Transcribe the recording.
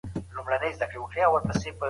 بँکونه په اقتصاد کي رول لري.